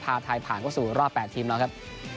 พาไทยผ่านเข้าสู่รอบ๘ทีมแล้วครับ